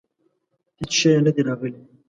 هیڅ شی نه دي راغلي.